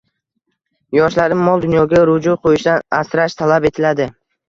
Yoshlarni mol-dunyoga ruju qo‘yishdan asrash talab etiladi.